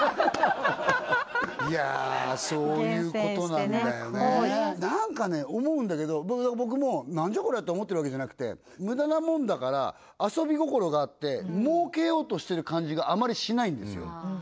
いやそういうことなんだよねなんかね思うんだけど僕も「なんじゃこれ？」って思ってるわけじゃなくて無駄なもんだから遊び心があって儲けようとしてる感じがあまりしないんですよ